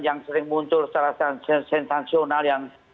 yang sering muncul secara sensasional yang menimbulkan kegagalan